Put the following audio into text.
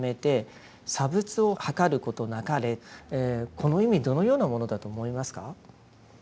この意味どのようなものだと思いますか？